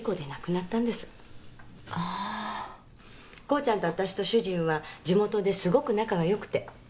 功ちゃんとわたしと主人は地元ですごく仲が良くて。